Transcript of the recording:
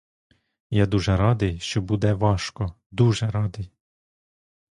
Я дуже радий, що буде важко, дуже радий!